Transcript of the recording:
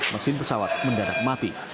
mesin pesawat mendarat mati